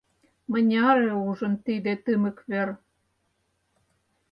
Мыняре ужын тиде тымык вер.